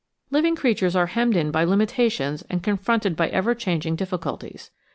Living creatures are hemmed in by limitations and con fronted by ever changing difiiculties.